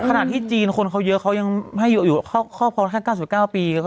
ขนาดที่จีนคนเขาเยอะเขายังให้อยู่ข้อพร้อมแค่๙๙ปี